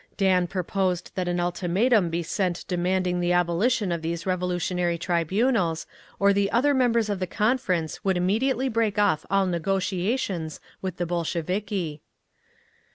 Dan proposed that an ultimatum be sent demanding the abolition of these Revolutionary Tribunals, or the other members of the Conference would immediately break off all negotiations with the Bolsheviki.